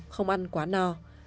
năm không ăn quá no